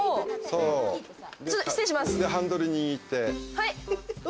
ハンドル握って。